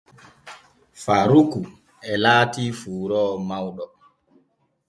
Faaruku e laatii fuuroowo mawɗo.